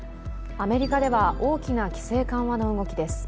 アメリカでは大きな規制緩和の動きです。